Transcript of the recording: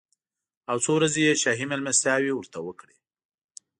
او څو ورځې یې شاهي مېلمستیاوې ورته وکړې.